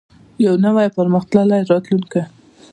یو نوی او پرمختللی راتلونکی.